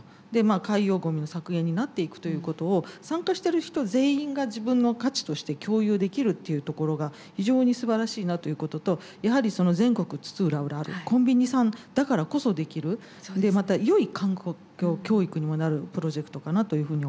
海洋ごみの削減になっていくということを参加してる人全員が自分の価値として共有できるっていうところが非常にすばらしいなということとやはり全国津々浦々あるコンビニさんだからこそできるまたよい環境教育にもなるプロジェクトかなというふうに思います。